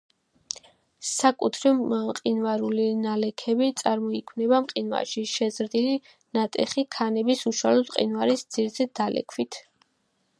საკუთრივ მყინვარული ნალექები წარმოიქმნება მყინვარში შეზრდილი ნატეხი ქანების უშუალოდ მყინვარის ძირზე დალექვით.